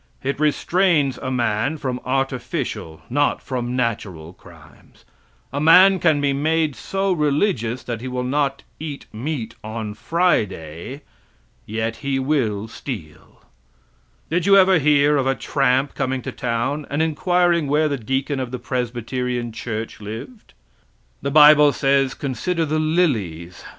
It restrains a man from artificial, not from natural crimes. A man can be made so religious that he will not eat meat on Friday, yet he will steal. Did you ever hear of a tramp coming to town and inquiring where the deacon of the Presbyterian church lived. The bible says consider the lilies.